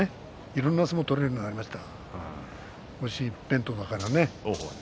いろいろな相撲が取れるようになりました、押し一辺倒からね。